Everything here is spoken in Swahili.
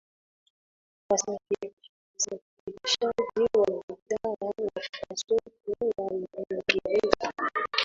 wasafirishaji wa bidhaa na kwa soko la uingereza